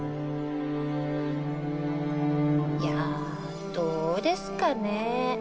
いやどうですかね？